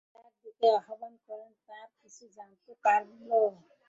তিনি যার দিকে আহবান করেন তার কিছু জানতে পারল।